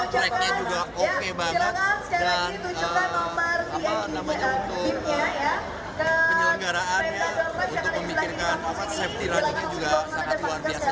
track nya juga oke banget dan penyelenggaraan untuk memikirkan safety runningnya juga sangat luar biasa